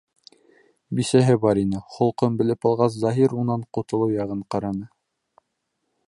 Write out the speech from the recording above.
Бисәһе бар ине, холҡон белеп алғас, Заһир унан ҡотолоу яғын ҡараны.